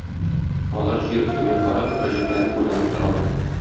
Алар җир өстенә карап, гаҗәпләнеп уйланып торалар.